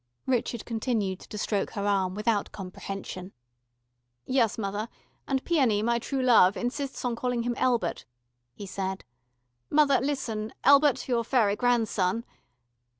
Richard continued to stroke her arm without comprehension. "Yes, mother, and Peony, my True Love, insists on calling him Elbert," he said. "Mother, listen, Elbert your faery grandson...."